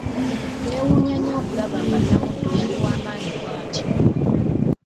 Beewunya nnyo okulaba nga Namuddu yali wamaanyi bwatyo.